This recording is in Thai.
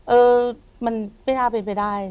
เออมันไม่น่าเป็นไปได้